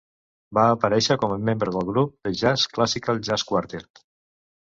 Va aparèixer com a membre del grup de jazz Classical Jazz Quartet.